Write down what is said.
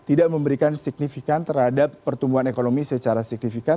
jadi emas ini masih sangat signifikan terhadap pertumbuhan ekonomi secara signifikan